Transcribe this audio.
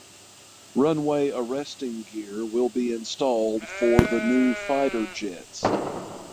Runway arresting gear will be installed for the new fighter jets.